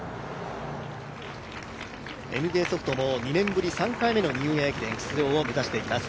ＮＤソフトも２年ぶり３回目のニューイヤー駅伝出場を目指しています。